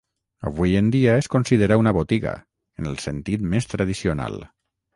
Avui en dia es considera una botiga, en el sentit més tradicional.